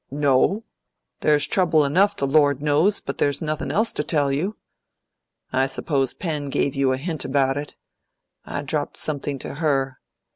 "No! There's trouble enough, the Lord knows; but there's nothing else to tell you. I suppose Pen gave you a hint about it. I dropped something to her.